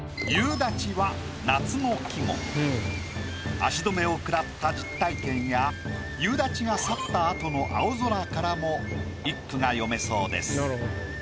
足止めをくらった実体験や夕立が去った後の青空からも一句が詠めそうです。